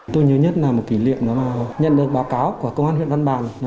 tôi nhớ nhất là một kỷ niệm đó mà nhận được báo cáo của công an huyện văn bàn